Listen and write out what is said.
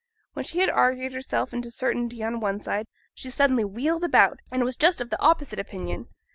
When she had argued herself into certainty on one side, she suddenly wheeled about, and was just of the opposite opinion.